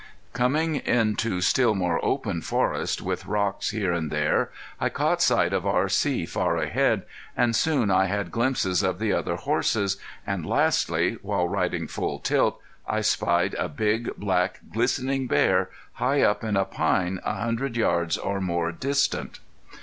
Coming into still more open forest, with rocks here and there, I caught sight of R.C. far ahead, and soon I had glimpses of the other horses, and lastly, while riding full tilt, I spied a big, black, glistening bear high up in a pine a hundred yards or more distant.